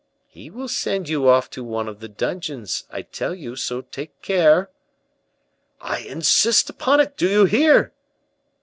"He will send you off to one of the dungeons, I tell you; so take care." "I insist upon it, do you hear?"